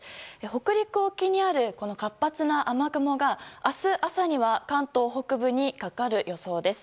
北陸沖にある活発な雨雲が明日朝には関東北部にかかる予想です。